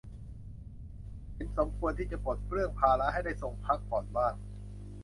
เห็นสมควรที่จะปลดเปลื้องภาระให้ได้ทรงพักผ่อนบ้าง